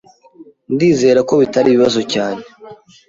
Ndizera ko bitari ibibazo cyane.